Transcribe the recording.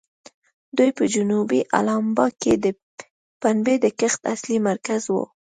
دوی په جنوبي الاباما کې د پنبې د کښت اصلي مرکز وو.